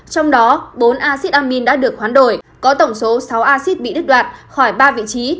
trong đó bốn acid amine đã được khoán đổi có tổng số sáu acid bị đứt đoạt khỏi ba vị trí